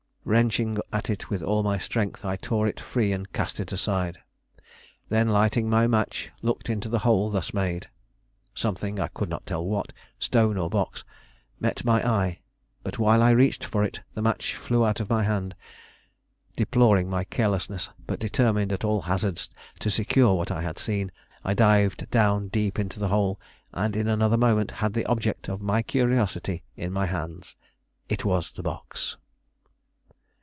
Wrenching at it with all my strength, I tore it free and cast it aside; then lighting my match looked into the hole thus made. Something, I could not tell what, stone or box, met my eye, but while I reached for it, the match flew out of my hand. Deploring my carelessness, but determined at all hazards to secure what I had seen, I dived down deep into the hole, and in another moment had the object of my curiosity in my hands. It was the box!